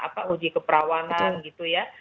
apa uji keperawanan gitu ya